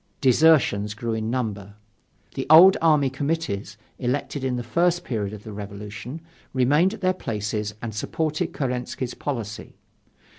Desertions grew in number. The old army committees, elected in the first period of the Revolution, remained at their places and supported Kerensky's policy.